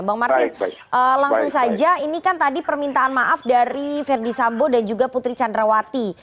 bang martin langsung saja ini kan tadi permintaan maaf dari verdi sambo dan juga putri candrawati